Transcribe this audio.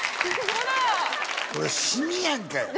これシミやんけ！